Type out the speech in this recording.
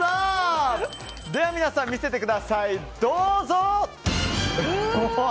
では皆さん、見せてください。